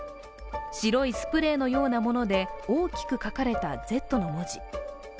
白いスプレーのようなもので大きく書かれたＺの文字。